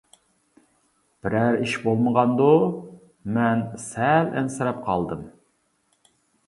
بىرەر ئىش بولمىغاندۇ؟ مەن سەل ئەنسىرەپ قالدىم.